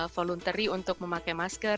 voluntary untuk memakai masker